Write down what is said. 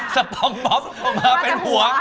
สปองบ๊อบมาเป็นหัว